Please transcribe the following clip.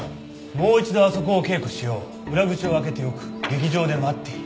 「もう一度あそこを稽古しよう」「裏口を開けておく劇場で待っている」